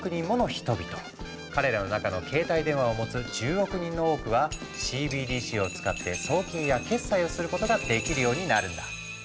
彼らの中の携帯電話を持つ１０億人の多くはＣＢＤＣを使って送金や決済をすることができるようになるんだ。